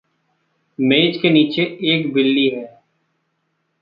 मेज़ के नीचे एक बिल्ली है।